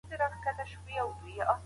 لور مې وایي وخت کله چټک تېریږي.